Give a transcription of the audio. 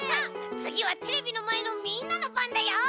つぎはテレビのまえのみんなのばんだよ！